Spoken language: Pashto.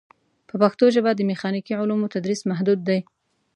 په پښتو ژبه د میخانیکي علومو تدریس محدود دی.